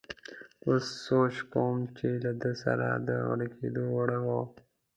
اوس سوچ کوم چې له ده سره د غرقېدو وړ وو.